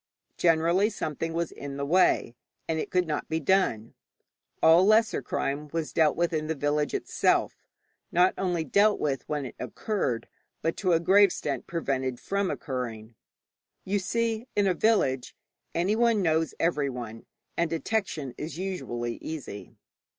Generally something was in the way, and it could not be done. All lesser crime was dealt with in the village itself, not only dealt with when it occurred, but to a great extent prevented from occurring. You see, in a village anyone knows everyone, and detection is usually easy.